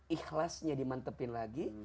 ikhlasnya dimantepin lagi